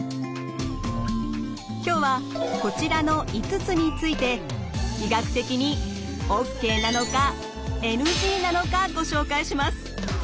今日はこちらの５つについて医学的にＯＫなのかＮＧなのかご紹介します。